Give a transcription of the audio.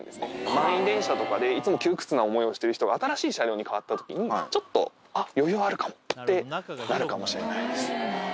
満員電車とかで、いつも窮屈な思いをしている人が、新しい車両に変わったときに、ちょっと、あっ、余裕あるかもっなるほど。